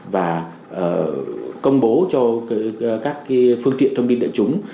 và công bố cho các phương tiện thông tin đại chúng